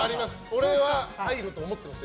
俺は入ると思ってました。